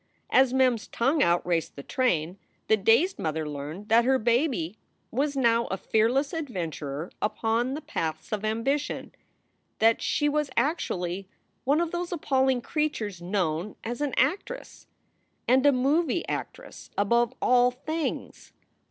As Mem s tongue out raced the train, the dazed mother learned that her baby was now a fearless adventurer upon the paths of ambition; that she was actually one of those appalling creatures known as an actress, and a movie actress above all things!